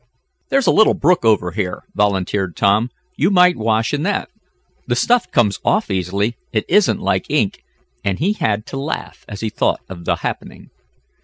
"There's a little brook over here," volunteered Tom. "You might wash in that. The stuff comes off easily. It isn't like ink," and he had to laugh, as he thought of the happening.